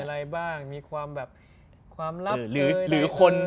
มีอะไรบ้างมีความแบบความลับเกินอะไรเลย